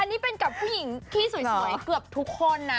อันนี้เป็นกับผู้หญิงที่สวยเกือบทุกคนนะ